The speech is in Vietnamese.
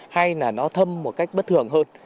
hay là nó thâm một cách bất thường hơn